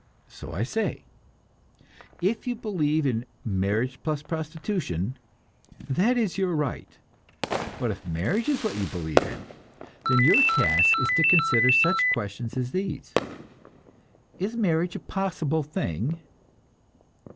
So I say: if you believe in marriage plus prostitution, that is your right; but if marriage is what you believe in, then your task is to consider such questions as these: Is marriage a possible thing?